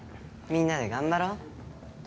みんなで頑張ろう。